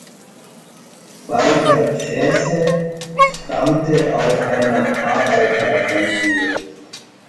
Walter Kresse stammte aus einer Arbeiterfamilie.